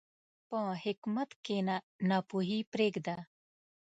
په حکمت کښېنه، ناپوهي پرېږده.